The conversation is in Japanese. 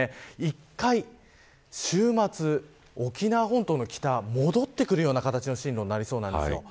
１回、週末沖縄本島の北に戻ってくるような形の進路になりそうなんです。